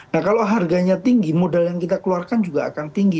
nah kalau harganya tinggi modal yang kita keluarkan juga akan tinggi